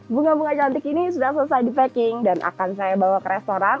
bunga bunga cantik ini sudah selesai di packing dan akan saya bawa ke restoran